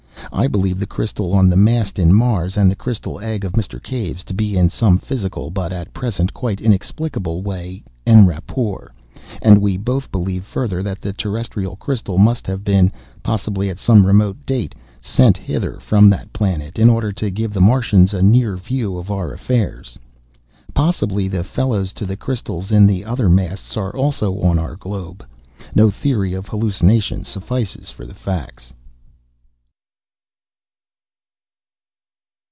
I believe the crystal on the mast in Mars and the crystal egg of Mr. Cave's to be in some physical, but at present quite inexplicable, way en rapport, and we both believe further that the terrestrial crystal must have been possibly at some remote date sent hither from that planet, in order to give the Martians a near view of our affairs. Possibly the fellows to the crystals in the other masts are also on our globe. No theory of hallucination suffices for the facts.